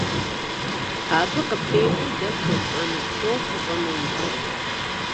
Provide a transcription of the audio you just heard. Абы къыпэкӀуэу дэ фхуэтщӀэну псом фыщӀэмыупщӀэ.